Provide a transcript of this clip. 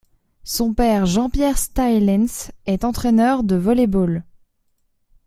Son père Jean-Pierre Staelens est entraineur de volley-ball.